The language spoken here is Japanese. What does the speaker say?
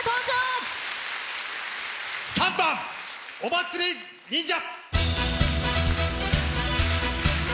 ３番「お祭り忍者」。